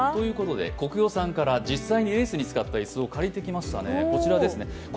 コクヨさんから実際にレースに使った椅子を借りてきました。